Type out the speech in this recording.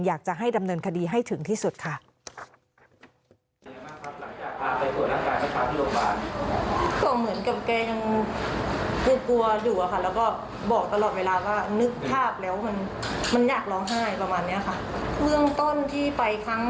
อยากจะให้ดำเนินคดีให้ถึงที่สุดค่ะ